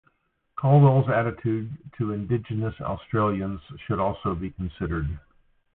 Calwell's attitude to Indigenous Australians should also be considered.